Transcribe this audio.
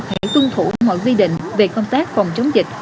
hãy tuân thủ mọi quy định về công tác phòng chống dịch